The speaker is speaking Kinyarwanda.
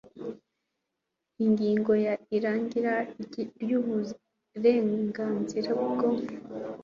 ingingo ya irangira ry uburenganzira bwo